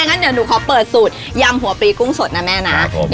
งั้นเดี๋ยวหนูขอเปิดสูตรยำหัวปีกุ้งสดนะแม่นะ